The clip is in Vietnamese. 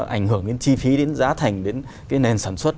ảnh hưởng đến chi phí đến giá thành đến cái nền sản xuất